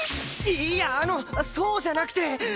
いいやあのそうじゃなくて！